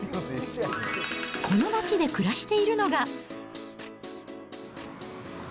この街で暮らしているのが。